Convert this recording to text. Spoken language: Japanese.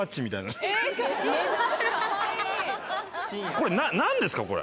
これ何ですかこれ。